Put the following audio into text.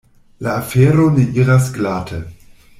La afero ne iras glate.